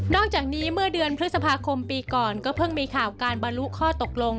อกจากนี้เมื่อเดือนพฤษภาคมปีก่อนก็เพิ่งมีข่าวการบรรลุข้อตกลง